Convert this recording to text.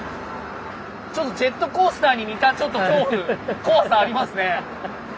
ちょっとジェットコースターに似たちょっと恐怖怖さありますね。